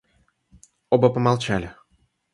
Оба помолчали.